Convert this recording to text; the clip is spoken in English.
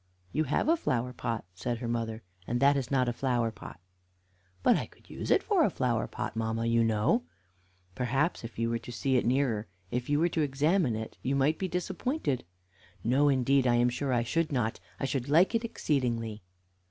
"You have a flower pot," said her mother, "and that is not a flower pot." "But I could use it for a flower pot, mamma, you know." "Perhaps if you were to see it nearer, if you were to examine it you might be disappointed." "No, indeed, I'm sure I should not; I should like it exceedingly."